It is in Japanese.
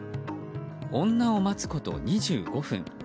女を待つこと２５分。